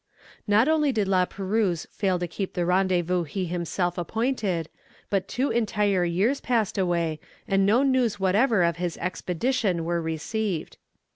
Not only did La Perouse fail to keep the rendezvous he himself appointed, but two entire years passed away, and no news whatever of his expedition were received.